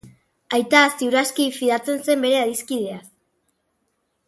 Aita, ziur aski, fidatzen zen bere adiskideaz.